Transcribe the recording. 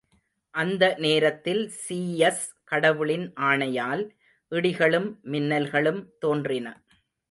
அந்த நேரத்தில் சீயஸ் கடவுளின் ஆணையால், இடிகளும் மின்னல்களும் தோன்றின.